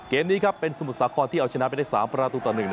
เกมนี้สมุทรสาคอนที่เอาชนะไปได้๓ประตูต่อ๑